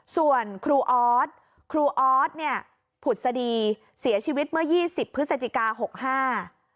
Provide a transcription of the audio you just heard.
ส่วนครูออสครูออสเนี่ยผุดสดีเสียชีวิตเมื่อยี่สิบพฤศจิกาหกห้า